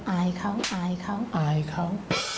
อายเขาอายเขาอายเขา